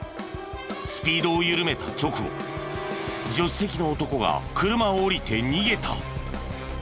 スピードを緩めた直後助手席の男が車を降りて逃げた。